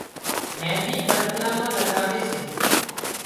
مينۮِي پرٻلا مان لڳاوي سي